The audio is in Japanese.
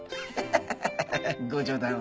ハハハハご冗談を。